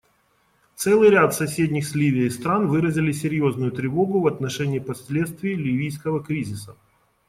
Целый ряд соседних с Ливией стран выразили серьезную тревогу в отношении последствий ливийского кризиса.